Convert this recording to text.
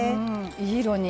いい色に。